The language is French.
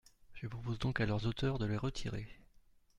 Je propose donc à leurs auteurs de les retirer.